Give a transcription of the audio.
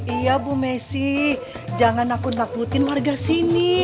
iya bu messi jangan aku takutin warga sini